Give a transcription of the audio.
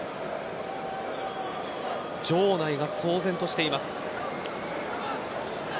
場内が騒然としています。